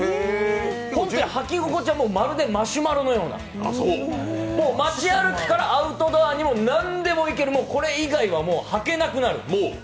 本当に履き心地はまるでマシュマロのような街歩きからアウトドアまで何でもいけるこれ以外は履けなくなる。